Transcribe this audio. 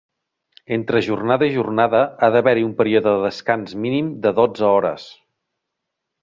Entre jornada i jornada ha d'haver-hi un període de descans mínim de dotze hores.